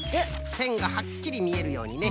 せんがはっきりみえるようにね。